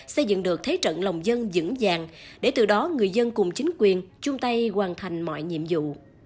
xây dựng được thế trận lòng dân dững dàng để từ đó người dân cùng chính quyền chung tay hoàn thành mọi nhiệm vụ